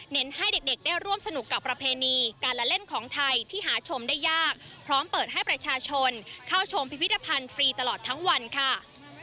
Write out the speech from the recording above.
ให้เด็กได้ร่วมสนุกกับประเพณีการละเล่นของไทยที่หาชมได้ยากพร้อมเปิดให้ประชาชนเข้าชมพิพิธภัณฑ์ฟรีตลอดทั้งวันค่ะ